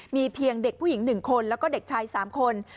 มีเพียงเด็กผู้หญิง๑คนแล้วก็เด็กชาย๓คน